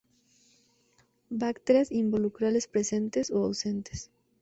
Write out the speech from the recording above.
Brácteas involucrales presentes o ausentes.